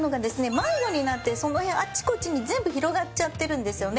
迷子になってその辺あっちこっちに全部広がっちゃってるんですよね。